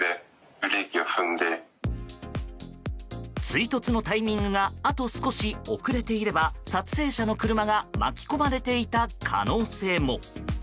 追突のタイミングがあと少し遅れていれば撮影者の車が巻き込まれていた可能性も。